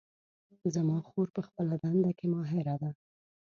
زما خور په خپله دنده کې ماهره ده